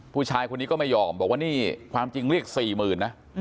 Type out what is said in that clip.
ผู้ชายคนนี้ก็ไม่ยอมบอกว่านี่ความจริงเรียก๔๐๐๐นะ